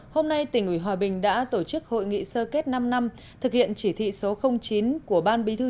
hôm nay tỉnh ủy hòa bình đã tổ chức hội nghị sơ kết năm năm thực hiện chỉ thị số chín của ban bí thư